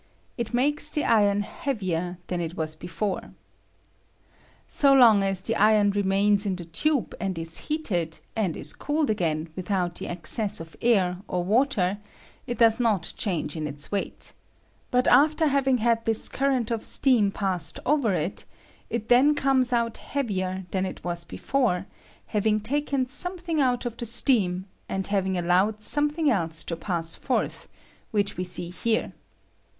It makes the iron heavier than it was before. So long as the iron remains in the tube and is heated, and is cooled again without the access of air or water, it does not change in its weight; but after having had this current of steam passed over it, it then comes out heavier than it was before, having taken something out of the steam, and having allowed something else to pass forth, which we see here.